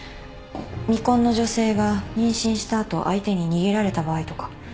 未婚の女性が妊娠した後相手に逃げられた場合とか。